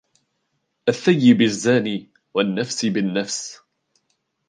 الثَّيِّبِ الزَّانِي، وَالنَّفْسِ بِالنَّفْسِ،